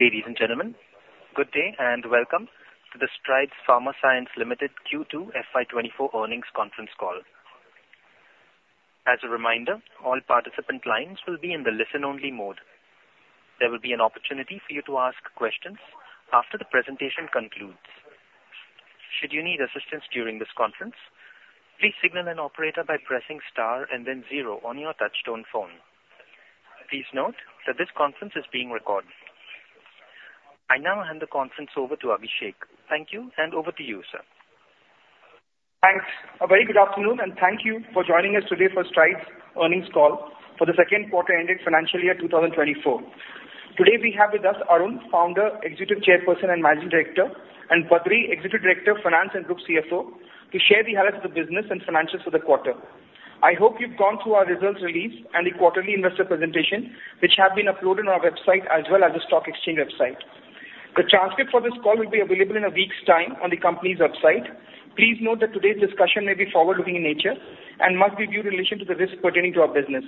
Ladies and gentlemen, good day, and welcome to the Strides Pharma Science Limited Q2 FY 2024 earnings conference call. As a reminder, all participant lines will be in the listen-only mode. There will be an opportunity for you to ask questions after the presentation concludes. Should you need assistance during this conference, please signal an operator by pressing star and then zero on your touchtone phone. Please note that this conference is being recorded. I now hand the conference over to Abhishek. Thank you, and over to you, sir. Thanks. A very good afternoon, and thank you for joining us today for Strides earnings call for the Q2 ending financial year 2024. Today, we have with us Arun, Founder, Executive Chairperson, and Managing Director, and Badree, Executive Director of Finance and Group CFO, to share the highlights of the business and financials for the quarter. I hope you've gone through our results release and the quarterly investor presentation, which have been uploaded on our website as well as the stock exchange website. The transcript for this call will be available in a week's time on the company's website. Please note that today's discussion may be forward-looking in nature and must be viewed in relation to the risk pertaining to our business.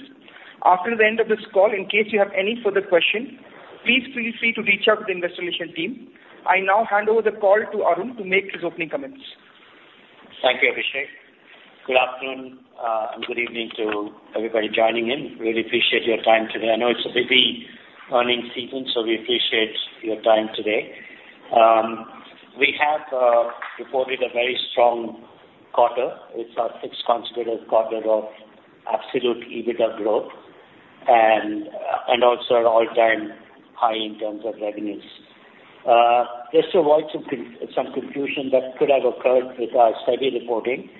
After the end of this call, in case you have any further questions, please feel free to reach out to the investor relation team. I now hand over the call to Arun to make his opening comments. Thank you, Abhishek. Good afternoon, and good evening to everybody joining in. Really appreciate your time today. I know it's a busy earnings season, so we appreciate your time today. We have reported a very strong quarter. It's our sixth consecutive quarter of absolute EBITDA growth and also an all-time high in terms of revenues. Just to avoid some confusion that could have occurred with our steady reporting,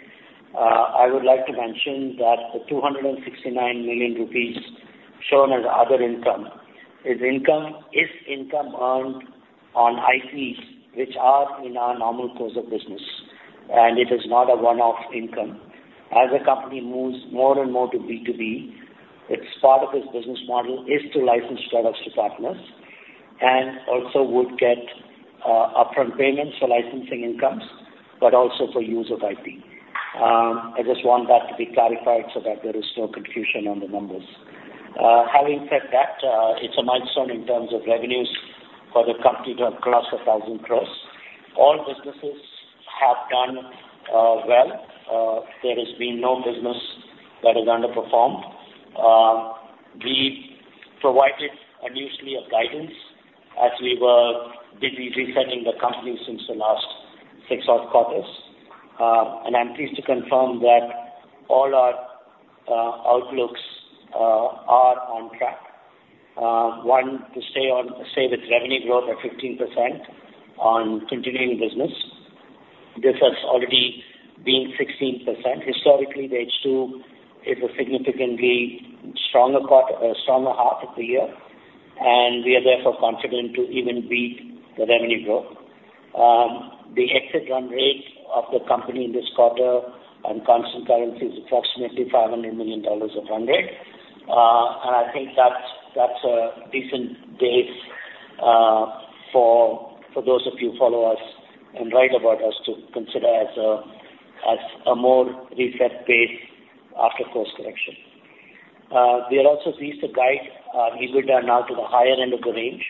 I would like to mention that the 269 million rupees shown as other income is income earned on IPs, which are in our normal course of business, and it is not a one-off income. As the company moves more and more to B2B, part of this business model is to license products to partners and also would get, you know, upfront payments for licensing incomes, but also for use of IP. I just want that to be clarified so that there is no confusion on the numbers. Having said that, it's a milestone in terms of revenues for the company to have crossed 1,000 crore. All businesses have done well. There has been no business that has underperformed. We provided a new slate of guidance as we were busy resetting the company since the last six half quarters. I'm pleased to confirm that all our outlooks are on track. One, to stay on, stay with revenue growth at 15% on continuing business. This has already been 16%. Historically, the H2 is a significantly stronger part, stronger half of the year, and we are therefore confident to even beat the revenue growth. The exit run rate of the company in this quarter on constant currency is approximately $500 million of run rate. And I think that's, that's a decent base, for those of you who follow us and write about us to consider as a, as a more reset base after course correction. We are also pleased to guide, EBITDA now to the higher end of the range.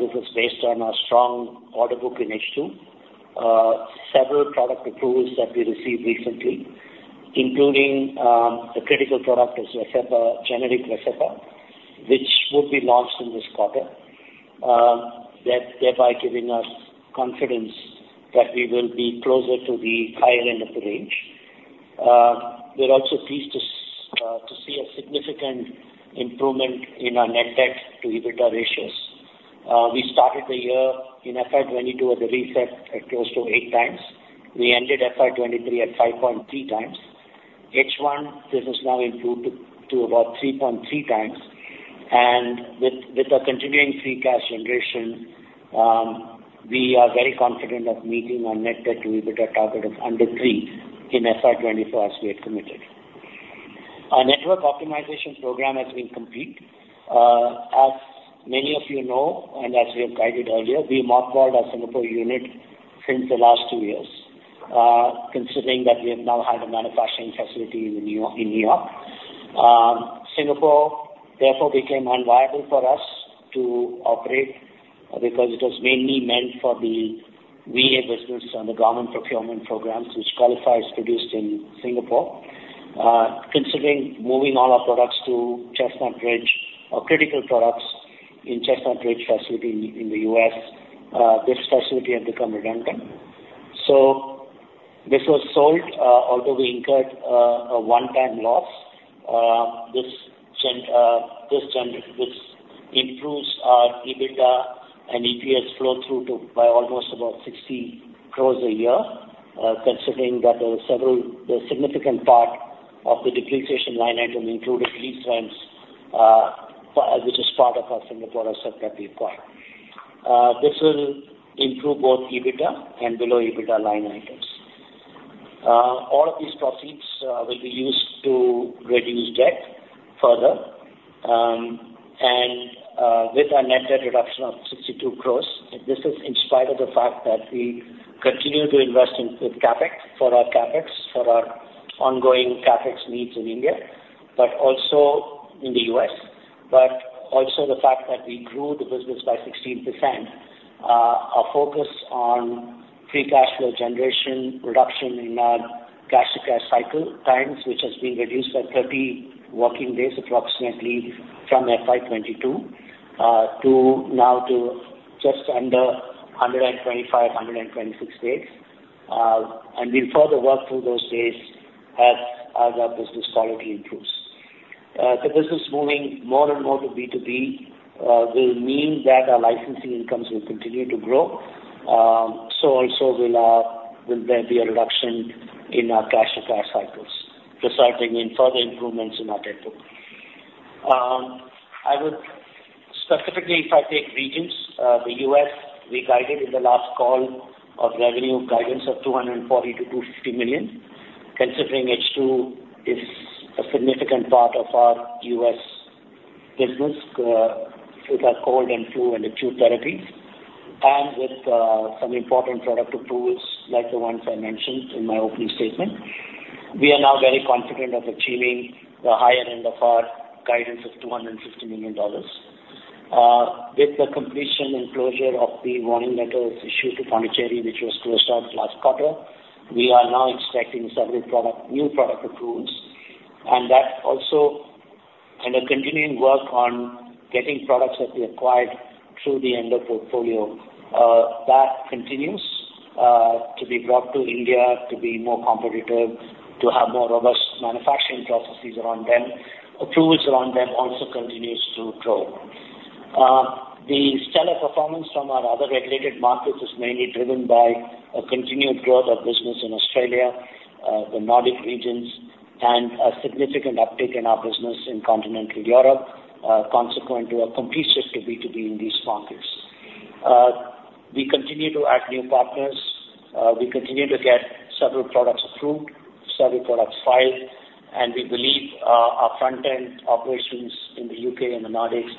This is based on our strong order book in H2. Several product approvals that we received recently, including the critical product of Xifaxan, generic Xifaxan, which would be launched in this quarter, that thereby giving us confidence that we will be closer to the higher end of the range. We're also pleased to see a significant improvement in our net debt to EBITDA ratios. We started the year in FY 2022 at the reset at close to 8 times. We ended FY 2023 at 5.3 times. H1, this is now improved to about 3.3 times. And with our continuing free cash generation, we are very confident of meeting our net debt to EBITDA target of under 3 in FY 2024, as we had committed. Our network optimization program has been complete. As many of you know, and as we have guided earlier, we mothballed our Singapore unit since the last two years. Considering that we have now had a manufacturing facility in New York, Singapore therefore became unviable for us to operate because it was mainly meant for the VA business and the government procurement programs, which qualifies "Produced in Singapore." Considering moving all our products to Chestnut Ridge or critical products in Chestnut Ridge facility in the US, this facility had become redundant. So this was sold, although we incurred a one-time loss, this gen, this gen... This improves our EBITDA and EPS flow through to by almost about 60 crore a year, considering that there are several, a significant part of the depreciation line item, including lease rents, which is part of our Singapore asset that we've got. This will improve both EBITDA and below EBITDA line items. All of these proceeds will be used to reduce debt further, and, with our net debt reduction of 62 crore, this is in spite of the fact that we continue to invest in, with CapEx, ongoing CapEx needs in India, but also in the U.S., but also the fact that we grew the business by 16%. Our focus on free cash flow generation, reduction in our cash to cash cycle times, which has been reduced by 30 working days, approximately from FY 2022 to now to just under 125, 126 days. And we'll further work through those days as our business quality improves. The business moving more and more to B2B will mean that our licensing incomes will continue to grow. So also will there be a reduction in our cash to cash cycles. This will bring in further improvements in our debt pool. I would specifically, if I take regions, the US, we guided in the last call of revenue guidance of $240 million-$250 million. Considering H2 is a significant part of our U.S. business, with our cold and flu and acute therapies, and with some important product approvals like the ones I mentioned in my opening statement, we are now very confident of achieving the higher end of our guidance of $250 million. With the completion and closure of the warning letters issued to Pondicherry, which was closed out last quarter, we are now expecting several product, new product approvals, and that also, and a continuing work on getting products that we acquired through the Endo portfolio. That continues to be brought to India to be more competitive, to have more robust manufacturing processes around them. Approvals around them also continues to grow. The stellar performance from our other regulated markets is mainly driven by a continued growth of business in Australia, the Nordic regions, and a significant uptick in our business in continental Europe, consequent to a complete shift to B2B in these markets. We continue to add new partners, we continue to get several products approved, several products filed, and we believe our front-end operations in the U.K. and the Nordics,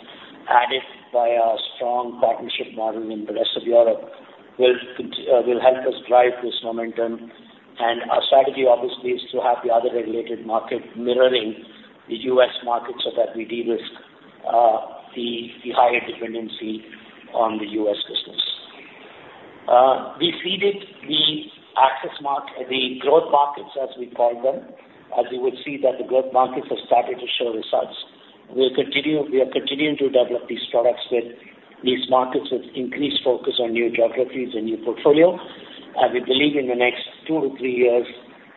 added by our strong partnership model in the rest of Europe, will help us drive this momentum. Our strategy, obviously, is to have the other regulated market mirroring the U.S. market so that we de-risk the higher dependency on the U.S. business. We see the access markets, the growth markets, as we call them. As you would see that the growth markets have started to show results. We are continuing to develop these products with these markets, with increased focus on new geographies and new portfolio. And we believe in the next two to three years,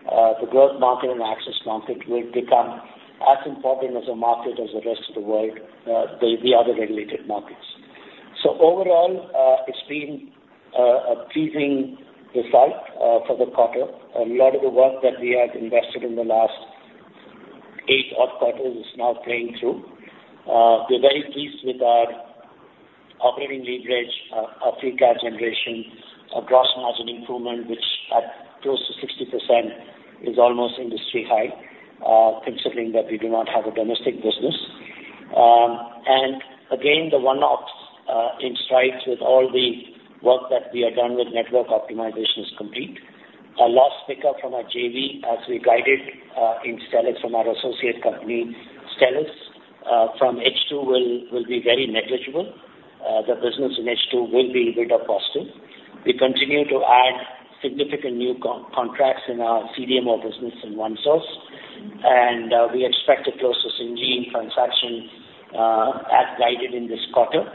the growth market and access market will become as important as a market as the rest of the world, the, the other regulated markets. So overall, it's been, a pleasing result, for the quarter. A lot of the work that we have invested in the last eight odd quarters is now playing through. We're very pleased with our operating leverage, our free cash generation, our gross margin improvement, which at close to 60%, is almost industry high, considering that we do not have a domestic business. And again, the one-offs, in Strides with all the work that we have done with network optimization is complete. A large pickup from our JV, as we guided, in Stelis from our associate company, Stelis, from H2, will be very negligible. The business in H2 will be EBITDA positive. We continue to add significant new contracts in our CDMO business in OneSource, and we expect to close the Syngene transaction, as guided in this quarter.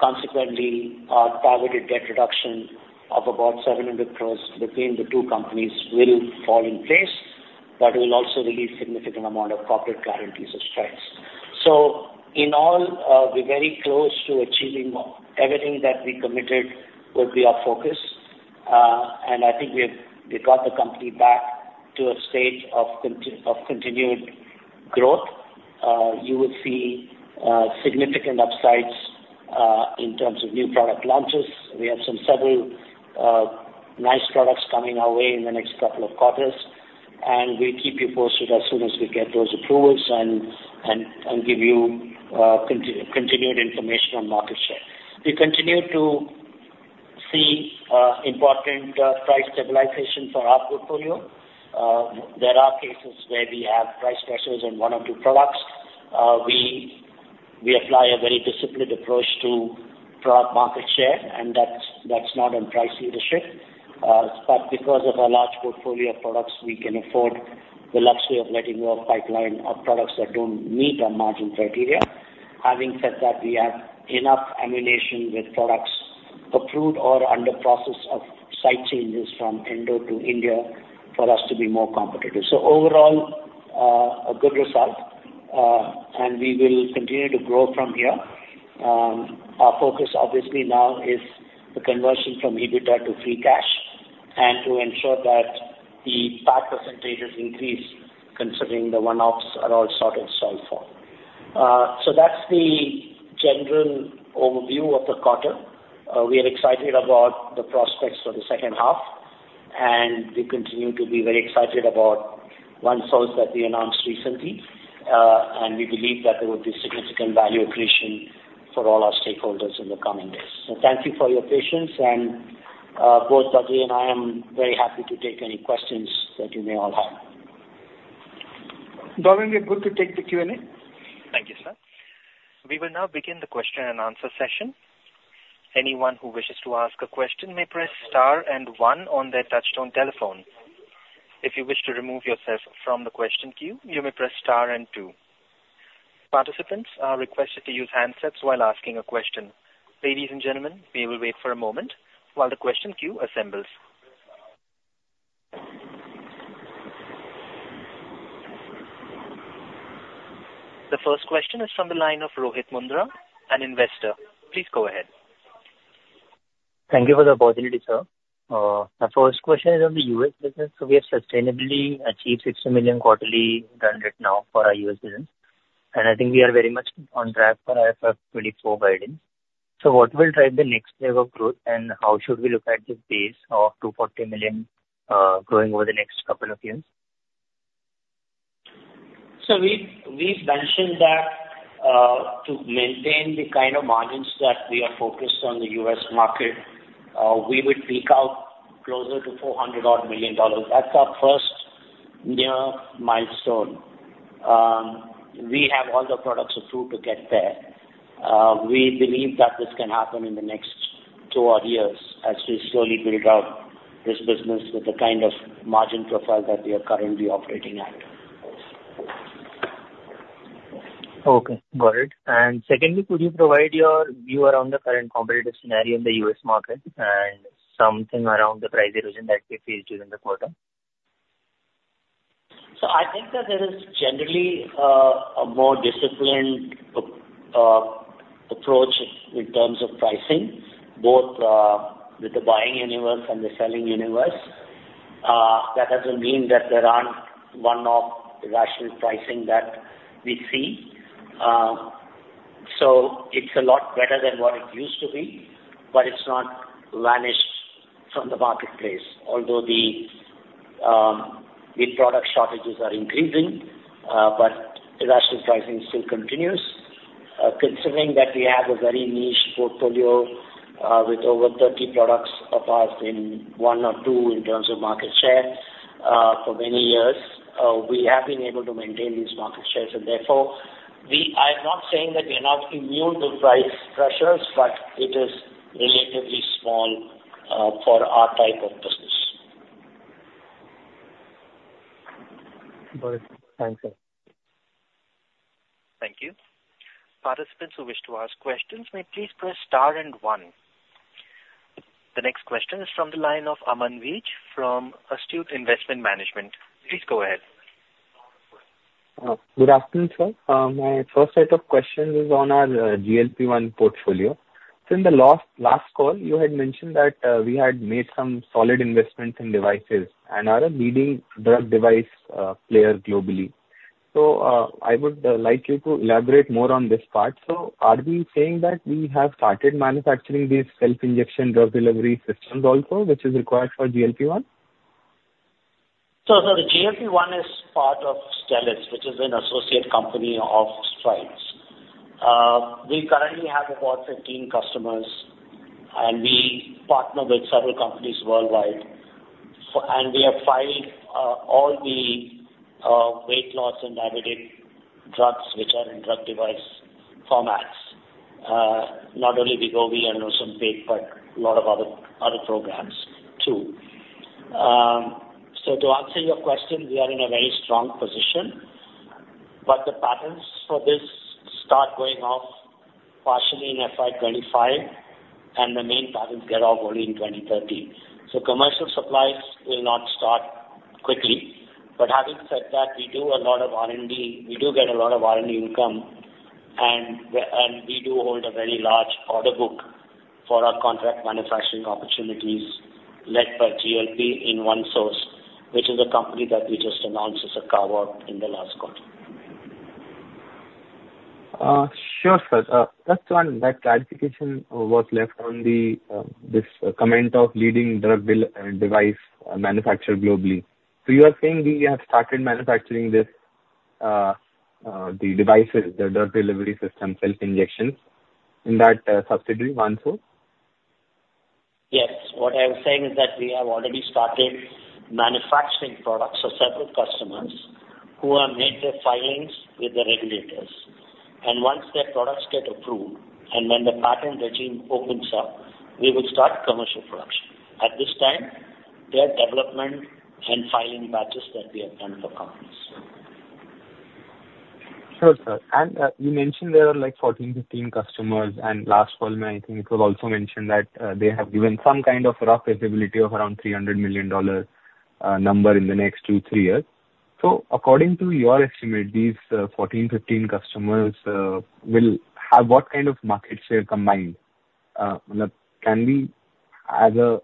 Consequently, our targeted debt reduction of about 700 crore between the two companies will fall in place, but will also release significant amount of corporate guarantees of Strides. So in all, we're very close to achieving everything that we committed would be our focus. And I think we got the company back to a state of continued growth. You will see significant upsides in terms of new product launches. We have some several nice products coming our way in the next couple of quarters, and we'll keep you posted as soon as we get those approvals and give you continued information on market share. We continue to see important price stabilization for our portfolio. There are cases where we have price pressures in one or two products. We apply a very disciplined approach to product market share, and that's not on price leadership. But because of our large portfolio of products, we can afford the luxury of letting go of pipeline of products that don't meet our margin criteria. Having said that, we have enough ammunition with products approved or under process of site changes from Endo to India for us to be more competitive. So overall, a good result, and we will continue to grow from here. Our focus obviously now is the conversion from EBITDA to free cash, and to ensure that the PAT percentages increase considering the one-offs are all sort of solved for. So that's the general overview of the quarter. We are excited about the prospects for the second half, and we continue to be very excited about OneSource that we announced recently. And we believe that there will be significant value accretion for all our stakeholders in the coming days. So thank you for your patience, and both Badree and I am very happy to take any questions that you may all have. Darren, we're good to take the Q&A. Thank you, sir. We will now begin the question and answer session. Anyone who wishes to ask a question may press star and one on their touchtone telephone. If you wish to remove yourself from the question queue, you may press star and two. Participants are requested to use handsets while asking a question. Ladies and gentlemen, we will wait for a moment while the question queue assembles. The first question is from the line of Rohit Mundra, an investor. Please go ahead. Thank you for the possibility, sir. My first question is on the US business. So we have sustainably achieved $60 million quarterly run rate now for our US business, and I think we are very much on track for our FY 2024 guidance. So what will drive the next level of growth, and how should we look at the pace of $240 million, growing over the next couple of years? So we've mentioned that to maintain the kind of margins that we are focused on the U.S. market, we would peak out closer to $400-odd million. That's our first near milestone. We have all the products approved to get there. We believe that this can happen in the next two odd years as we slowly build out this business with the kind of margin profile that we are currently operating at. Okay, got it. Secondly, could you provide your view around the current competitive scenario in the U.S. market and something around the price erosion that we faced during the quarter? So I think that there is generally a more disciplined approach in terms of pricing, both with the buying universe and the selling universe. That doesn't mean that there aren't one-off irrational pricing that we see. So it's a lot better than what it used to be, but it's not vanished from the marketplace. Although the product shortages are increasing, but irrational pricing still continues. Considering that we have a very niche portfolio with over 30 products of ours in one or two in terms of market share for many years, we have been able to maintain these market shares, and therefore, we, I'm not saying that we are not immune to price pressures, but it is relatively small for our type of business. Got it. Thanks, sir. Thank you. Participants who wish to ask questions may please press star and one. The next question is from the line of Aman Vij from Astute Investment Management. Please go ahead. Good afternoon, sir. My first set of questions is on our GLP-1 portfolio. So in the last last call, you had mentioned that we had made some solid investments in devices and are a leading drug device player globally. So I would like you to elaborate more on this part. So are we saying that we have started manufacturing these self-injection drug delivery systems also, which is required for GLP-1? So the GLP-1 is part of Stelis, which is an associate company of Strides. We currently have about 15 customers, and we partner with several companies worldwide, for and we have filed all the weight loss and diabetic drugs which are in drug device formats. Not only Wegovy and Ozempic, but a lot of other, other programs too. So to answer your question, we are in a very strong position, but the patents for this start going off partially in FY 25, and the main patents get off only in 2030. So commercial supplies will not start quickly. But having said that, we do a lot of R&D. We do get a lot of R&D income, and we do hold a very large order book for our contract manufacturing opportunities led by GLP-1 in OneSource, which is a company that we just announced as a carve-out in the last quarter. Sure, sir. Just one... That clarification was left on this comment of leading drug-device manufacturer globally. So you are saying we have started manufacturing this, the devices, the drug delivery system, self-injections, in that subsidiary, OneSource? Yes. What I was saying is that we have already started manufacturing products for several customers who have made their filings with the regulators. Once their products get approved, and when the patent regime opens up, we will start commercial production. At this time, they are development and filing batches that we have done for companies. Sure, sir. You mentioned there are like 14, 15 customers, and last fall, I think it was also mentioned that they have given some kind of rough visibility of around $300 million number in the next 2-3 years. So according to your estimate, these 14, 15 customers will have what kind of market share combined? Can we as a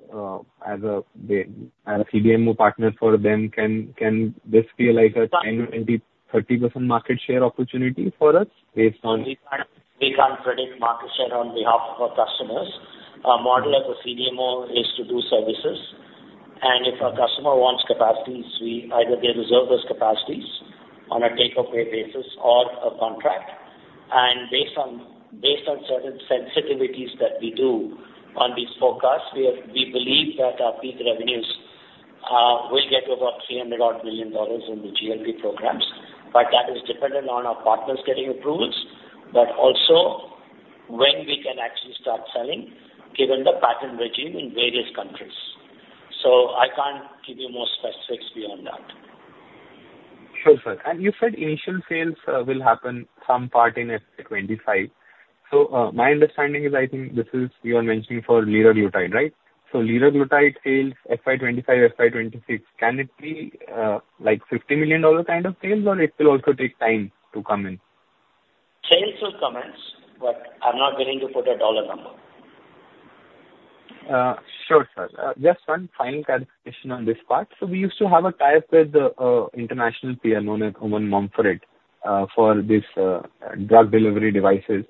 CDMO partner for them, can this be like a 10, 20, 30% market share opportunity for us based on- We can't predict market share on behalf of our customers. Our model as a CDMO is to do services. If a customer wants capacities, we either they reserve those capacities on a take or pay basis or a contract. And based on certain sensitivities that we do on these forecasts, we believe that our peak revenues will get to about $300 million in the GLP programs. But that is dependent on our partners getting approvals, but also when we can actually start selling, given the patent regime in various countries. So I can't give you more specifics beyond that. Sure, sir. And you said initial sales will happen some part in FY 2025. So, my understanding is, I think, this is you are mentioning for liraglutide, right? So liraglutide sales, FY 2025, FY 2026, can it be, like $50 million kind of sales, or it will also take time to come in? Sales will commence, but I'm not willing to put a dollar number. Sure, sir. Just one final clarification on this part. So we used to have a tie-up with international PM known as Oven Mumford for this drug delivery devices.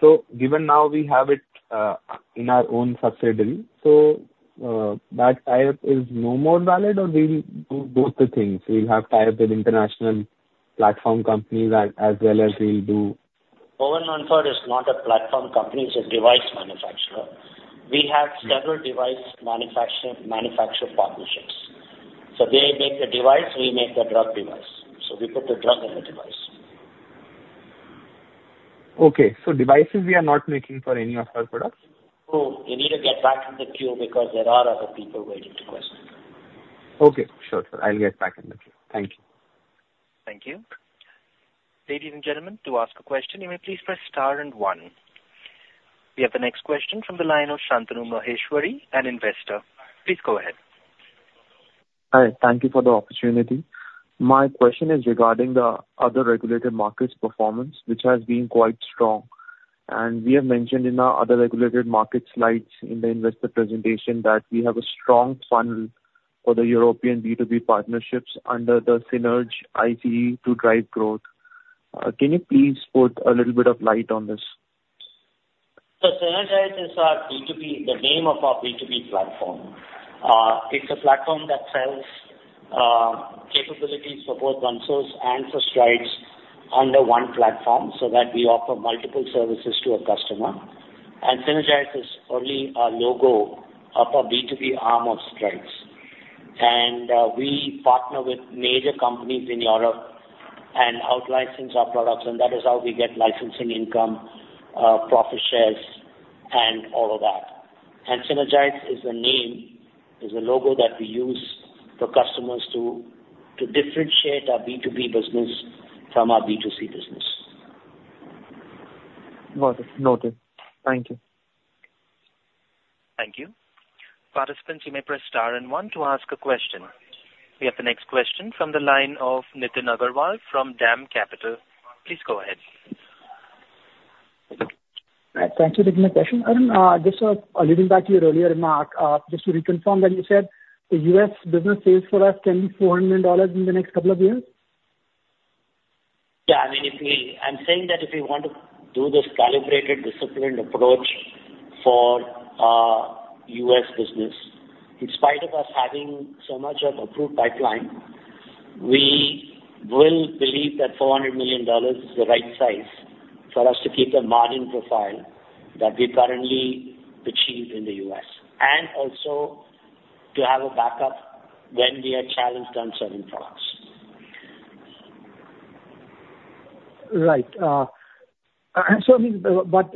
So given now we have it in our own subsidiary, so that tie-up is no more valid, or we'll do both the things. We'll have tie-up with international platform companies as well as we'll do- Owen Mumford is not a platform company, it's a device manufacturer. We have several device manufacturer partnerships. So they make the device, we make the drug device, so we put the drug in the device. Okay. So devices we are not making for any of our products? You need to get back in the queue because there are other people waiting to question. Okay, sure, sir. I'll get back in the queue. Thank you. Thank you. Ladies and gentlemen, to ask a question, you may please press star and one. We have the next question from the line of Shantanu Maheshwari, an investor. Please go ahead. Hi, thank you for the opportunity. My question is regarding the Other Regulated Markets performance, which has been quite strong. We have mentioned in our Other Regulated Market slides in the investor presentation that we have a strong funnel for the European B2B partnerships under the Synergize to drive growth. Can you please put a little bit of light on this? So Synergize is our B2B, the name of our B2B platform. It's a platform that sells capabilities for both Stelis and for Strides under one platform, so that we offer multiple services to a customer. And Synergize is only a logo of a B2B arm of Strides. And we partner with major companies in Europe and out-license our products, and that is how we get licensing income, profit shares, and all of that. And Synergize is the name, is the logo that we use for customers to differentiate our B2B business from our B2C business. Noted. Noted. Thank you. Thank you. Participants, you may press star and one to ask a question. We have the next question from the line of Nitin Agarwal from DAM Capital. Please go ahead. Thank you. Nitin Agarwal. Just, leading back to your earlier remark, just to reconfirm that you said the U.S. business sales for us can be $400 million in the next couple of years? Yeah, I mean, if we, I'm saying that if we want to do this calibrated, disciplined approach for our U.S. business, in spite of us having so much of approved pipeline, we will believe that $400 million is the right size for us to keep the margin profile that we currently achieve in the U.S., and also to have a backup when we are challenged on certain products. Right. And sorry, but,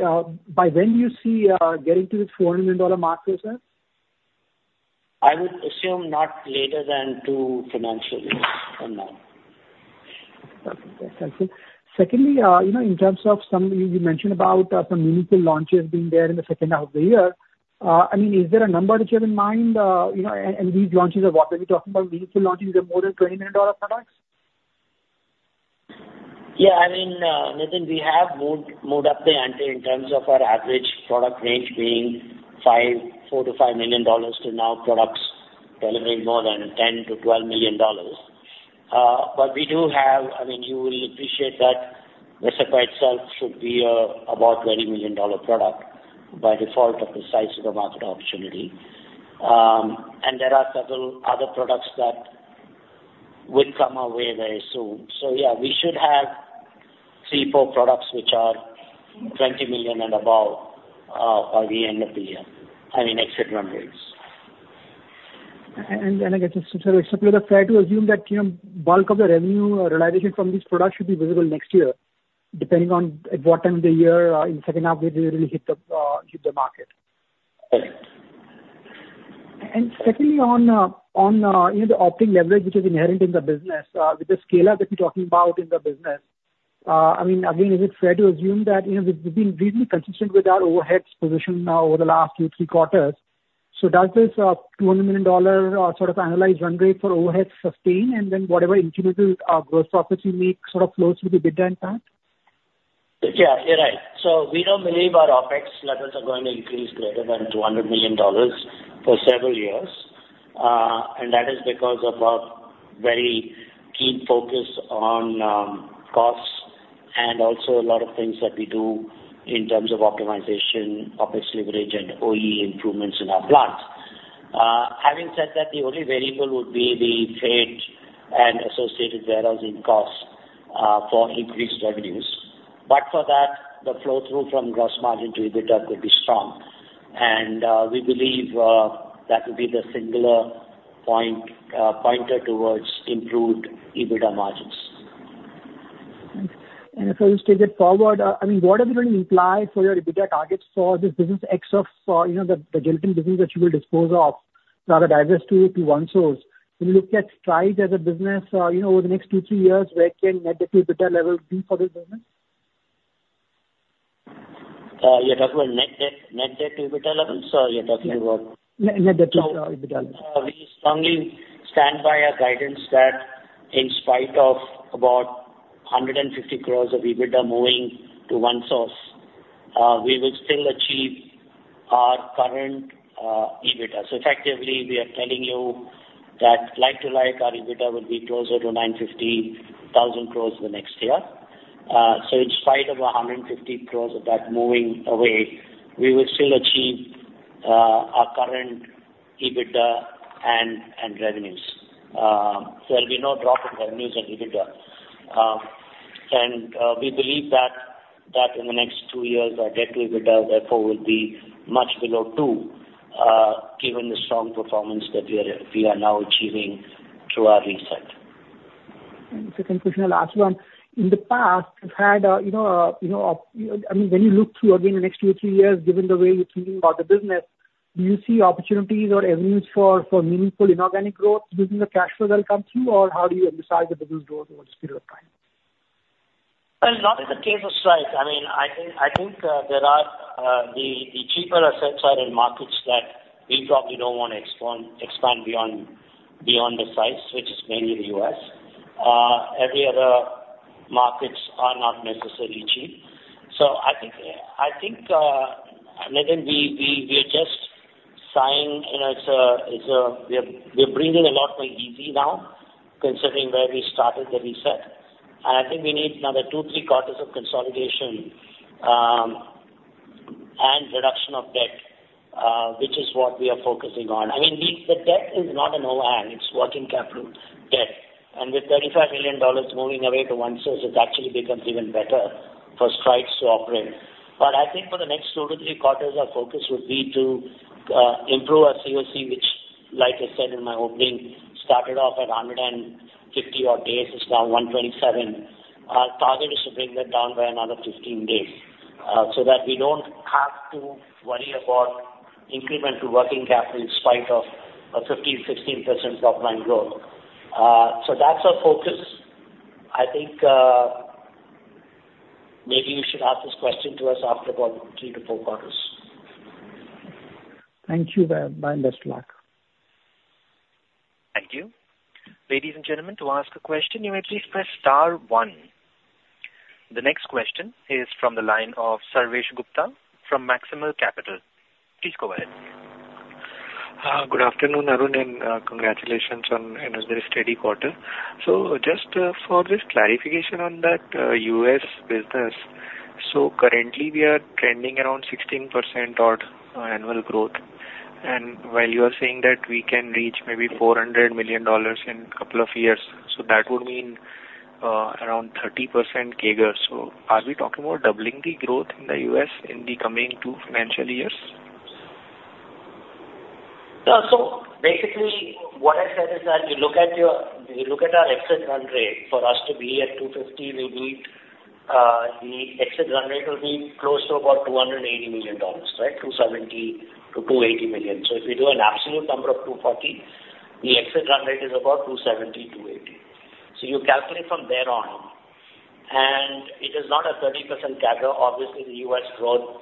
by when do you see getting to this $400 million mark, you said? I would assume not later than two financial years from now. Okay. Thank you. Secondly, you know, in terms of some, you mentioned about some meaningful launches being there in the second half of the year. I mean, is there a number that you have in mind, you know, and, and these launches are what? Are we talking about meaningful launches of more than $20 million products? Yeah, I mean, Nitin, we have moved up the ante in terms of our average product range being $4 million-$5 million, to now products delivering more than $10 million-$12 million. But we do have... I mean, you will appreciate that Vascepa itself should be about $20 million product by default of the size of the market opportunity. And there are several other products that would come our way very soon. So yeah, we should have three, four products, which are $20 million and above, by the end of the year. I mean, exit run rates. I guess, so sir, is it fair to assume that, you know, bulk of the revenue realization from these products should be visible next year, depending on at what time of the year in second half they really hit the market? Correct. And secondly, on the operating leverage, which is inherent in the business, with the scale-up that you're talking about in the business, I mean, again, is it fair to assume that, you know, we've, we've been really consistent with our overheads position now over the last two, three quarters. So does this $200 million sort of annualized run rate for overhead sustain, and then whatever incremental gross profits you make, sort of, flows with the bid then, Pat? Yeah, you're right. So we don't believe our OpEx levels are going to increase greater than $200 million for several years. And that is because of our very keen focus on costs and also a lot of things that we do in terms of optimization, OpEx leverage, and OE improvements in our plants. Having said that, the only variable would be the freight and associated warehousing costs for increased revenues. But for that, the flow through from gross margin to EBITDA could be strong, and we believe that would be the singular point pointer towards improved EBITDA margins. If I just take it forward, I mean, what does it really imply for your EBITDA targets for this business ex of, you know, the Gelatin business that you will dispose of, rather divest to, to OneSource? When you look at Strides as a business, you know, over the next two, three years, where can net debt to EBITDA level be for this business? You're talking about net debt, net debt to EBITDA levels, or you're talking about? Net net debt to EBITDA. We strongly stand by our guidance that in spite of about 150 crore of EBITDA moving to OneSource, we will still achieve our current EBITDA. Effectively, we are telling you that like to like, our EBITDA will be closer to 950 crore in the next year. In spite of 150 crore of that moving away, we will still achieve our current EBITDA and revenues. There will be no drop in revenues and EBITDA. We believe that in the next two years, our debt to EBITDA, therefore, will be much below 2, given the strong performance that we are now achieving through our reset. Second question, the last one. In the past, you've had, you know, you know, I mean, when you look through again the next 2-3 years, given the way you're thinking about the business, do you see opportunities or avenues for meaningful inorganic growth using the cash flow that will come through? Or how do you emphasize the business growth over this period of time? Well, not in the case of Strides. I mean, I think there are the cheaper asset side in markets that we probably don't want to expand beyond the size, which is mainly the US. Every other markets are not necessarily cheap. So I think, Nitin, we are just signing, you know, it's a—we are breathing a lot more easy now, considering where we started the reset. And I think we need another 2-3 quarters of consolidation and reduction of debt, which is what we are focusing on. I mean, the debt is not a no hang, it's working capital debt. And with $35 million moving away to OneSource, it actually becomes even better for Strides to operate. But I think for the next 2-3 quarters, our focus would be to, improve our CCC, which, like I said in my opening, started off at 150-odd days, is now 127. Our target is to bring that down by another 15 days, so that we don't have to worry about incremental working capital in spite of a 15%-16% top-line growth. So that's our focus. I think, maybe you should ask this question to us after about 3-4 quarters. Thank you, there. My best luck. Thank you. Ladies and gentlemen, to ask a question, you may please press star one. The next question is from the line of Sarvesh Gupta from Maximal Capital. Please go ahead. Good afternoon, Arun, and congratulations on another steady quarter. Just for this clarification on that U.S. business, currently we are trending around 16% odd annual growth. While you are saying that we can reach maybe $400 million in a couple of years, that would mean around 30% CAGR. Are we talking about doubling the growth in the U.S. in the coming two financial years? Yeah. So basically, what I said is that you look at our exit run rate, for us to be at $250, we need the exit run rate will be close to about $280 million, right? $270 million-$280 million. So if we do an absolute number of $240, the exit run rate is about $270, $280. So you calculate from there on. And it is not a 30% CAGR. Obviously, the US growth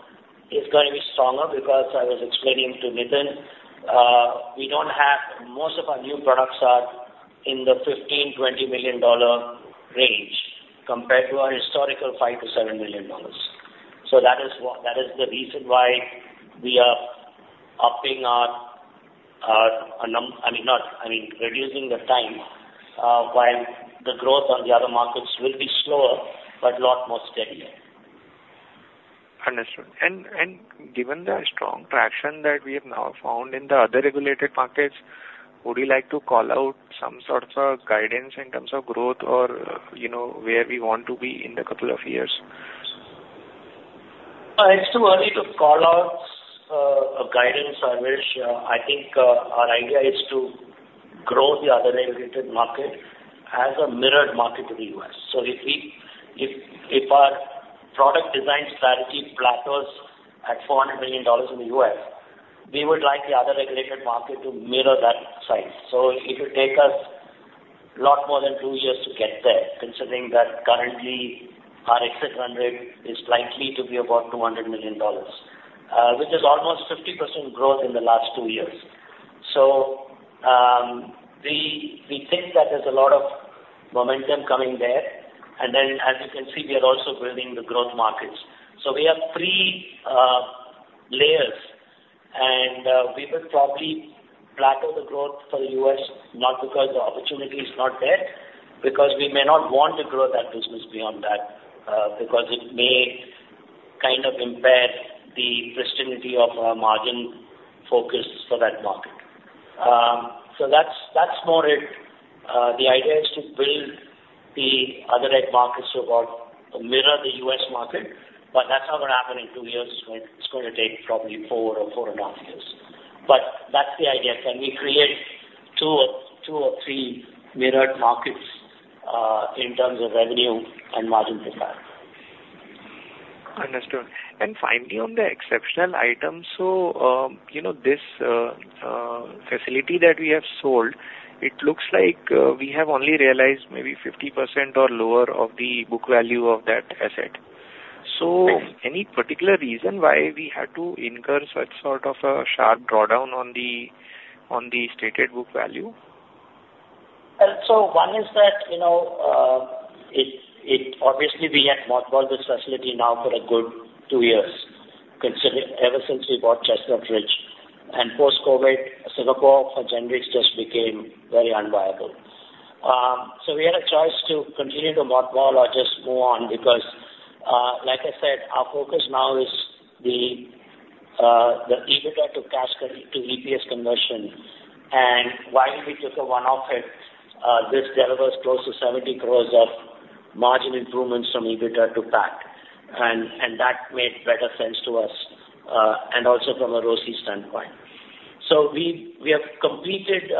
is going to be stronger because I was explaining to Nitin, we don't have... Most of our new products are in the $15-$20 million range, compared to our historical $5-$7 million. So that is the reason why we are upping our num... I mean, reducing the time while the growth on the other markets will be slower, but a lot more steadier. Understood. And given the strong traction that we have now found in the other regulated markets, would you like to call out some sort of a guidance in terms of growth or, you know, where we want to be in a couple of years? It's too early to call out a guidance, Sarvesh. I think our idea is to grow the other regulated market as a mirrored market to the US. So if our product design strategy plateaus at $400 million in the US, we would like the other regulated market to mirror that size. So it will take us a lot more than two years to get there, considering that currently our exit run rate is likely to be about $200 million, which is almost 50% growth in the last two years. So we think that there's a lot of momentum coming there, and then, as you can see, we are also building the growth markets. So we have three-... We will probably plateau the growth for the US, not because the opportunity is not there, because we may not want to grow that business beyond that, because it may kind of impair the pristine of our margin focus for that market. So that's, that's more it. The idea is to build the other eight markets to about mirror the US market, but that's not going to happen in two years. It's going, it's going to take probably four or four and a half years. But that's the idea. Can we create two or, two or three mirrored markets, in terms of revenue and margin profile? Understood. And finally, on the exceptional items, you know, this facility that we have sold, it looks like we have only realized maybe 50% or lower of the book value of that asset. Yes. Any particular reason why we had to incur such sort of a sharp drawdown on the stated book value? One is that, you know, it obviously we had mothballed this facility now for a good two years, considering ever since we bought Chestnut Ridge. Post-COVID, Singapore for generics just became very unviable. We had a choice to continue to mothball or just move on, because, like I said, our focus now is the EBITDA to cash to EPS conversion. While we took a one-off hit, this delivers close to 70 crore of margin improvements from EBITDA to PAT, and that made better sense to us, and also from a ROCE standpoint. So we have completed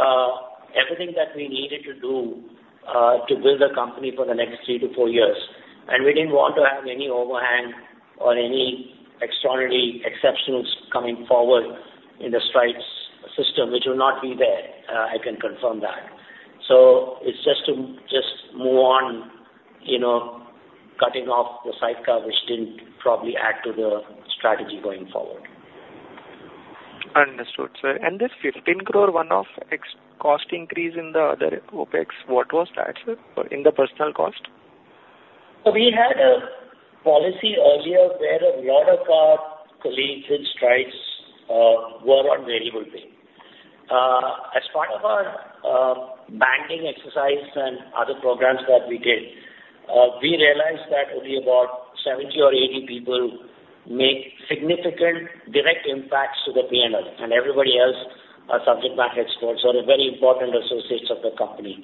everything that we needed to do to build the company for the next 3-4 years, and we didn't want to have any overhang or any extraordinary exceptionals coming forward in the Strides system, which will not be there, I can confirm that. So it's just to just move on, you know, cutting off the side cover, which didn't probably add to the strategy going forward. Understood, sir. And this 15 crore one-off expense cost increase in the other OpEx, what was that, sir, in the personnel cost? So we had a policy earlier where a lot of our colleagues in Strides were on variable pay. As part of our banding exercise and other programs that we did, we realized that only about 70 or 80 people make significant direct impacts to the P&L, and everybody else are subject matter experts or are very important associates of the company.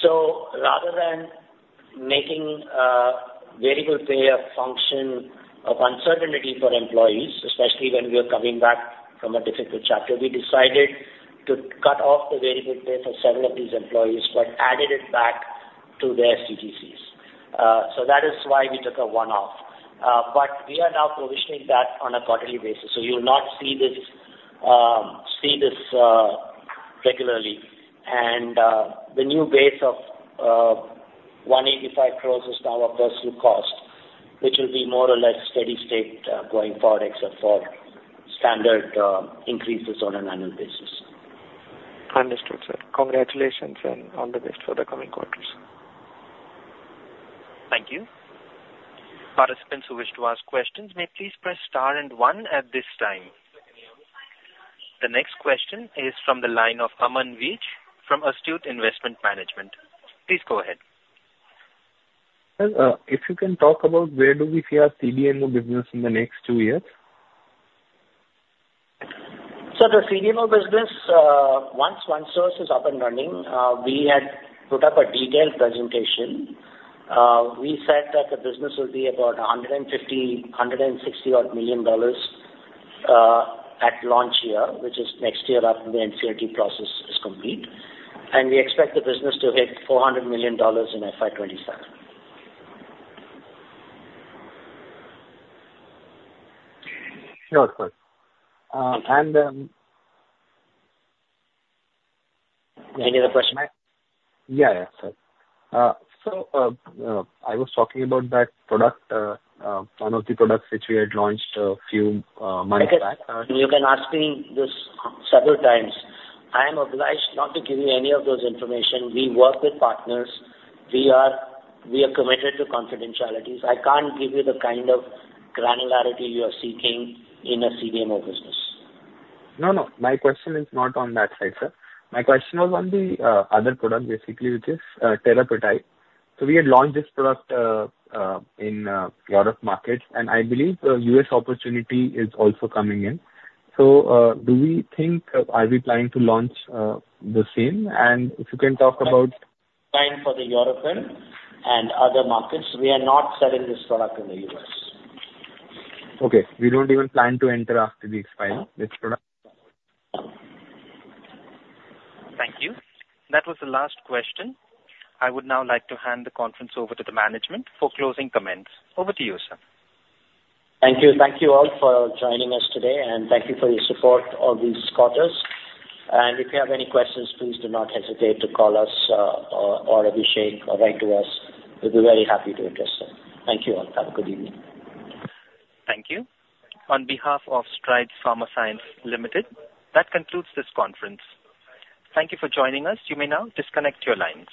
So rather than making variable pay a function of uncertainty for employees, especially when we are coming back from a difficult chapter, we decided to cut off the variable pay for several of these employees, but added it back to their CTCs. So that is why we took a one-off. But we are now provisioning that on a quarterly basis, so you will not see this, see this, regularly. The new base of 185 crore is now our personnel cost, which will be more or less steady state going forward, except for standard increases on an annual basis. Understood, sir. Congratulations and all the best for the coming quarters. Thank you. Participants who wish to ask questions may please press star and one at this time. The next question is from the line of Aman Veech from Astute Investment Management. Please go ahead. Well, if you can talk about where do we see our CDMO business in the next two years? So the CDMO business, once OneSource is up and running, we had put up a detailed presentation. We said that the business will be about $150-$160 million at launch year, which is next year after the NCLT process is complete. And we expect the business to hit $400 million in FY 2027. Sure, sir. Any other question? Yeah, yeah, sir. So, I was talking about that product, one of the products which we had launched a few months back. You can ask me this several times. I am obliged not to give you any of those information. We work with partners. We are, we are committed to confidentialities. I can't give you the kind of granularity you are seeking in a CDMO business. No, no, my question is not on that side, sir. My question was on the other product, basically, which is telaprevir. We had launched this product in a lot of markets, and I believe the U.S. opportunity is also coming in. Do we think, are we planning to launch the same? If you can talk about— Time for the European and other markets, we are not selling this product in the U.S. Okay. We don't even plan to enter after the expiry of this product. Thank you. That was the last question. I would now like to hand the conference over to the management for closing comments. Over to you, sir. Thank you. Thank you all for joining us today, and thank you for your support all these quarters. If you have any questions, please do not hesitate to call us, or Abhishek, or write to us. We'll be very happy to address them. Thank you all. Have a good evening. Thank you. On behalf of Strides Pharma Science Limited, that concludes this conference. Thank you for joining us. You may now disconnect your lines.